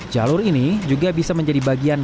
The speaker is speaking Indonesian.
jalur ini juga bisa menjadi bagian